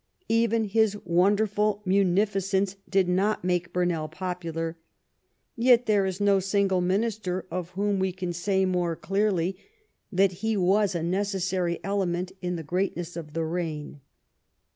Even his wonderful munifi cence did not make Burnell popular ; yet there is no single minister of whom we can say more clearly that IV THE KING AND HIS WORK 81 he was a necessary element in the greatness of the reign.